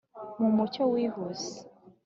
mu mucyo wihuse